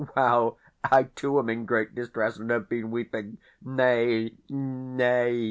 Well, I too am in great distress, and have been weeping. Nay, nay.